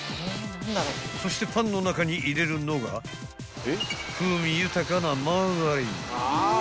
［そしてパンの中に入れるのが風味豊かなマーガリン］